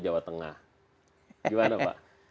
jawa tengah gimana pak